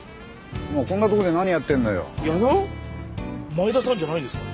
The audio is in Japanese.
前田さんじゃないんですか？